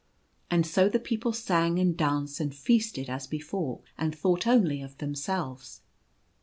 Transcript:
And so the people sang and danced and feasted as before, and thought only of themselves.